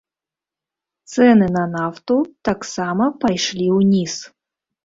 Цэны на нафту таксама пайшлі ўніз.